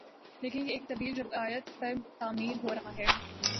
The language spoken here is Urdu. لیکن یہ ایک طویل روایت پر تعمیر ہو رہا ہے